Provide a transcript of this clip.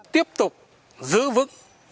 tiếp tục giữ vững